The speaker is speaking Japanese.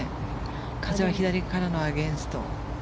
風は左からのアゲンスト。